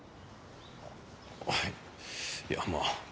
あっいやまあ。